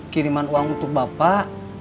kiriman uang untuk bapak